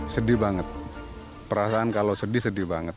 sedih banget perasaan kalau sedih sedih banget